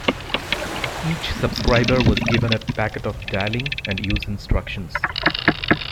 Each subscriber was given a packet of dialing and use instructions.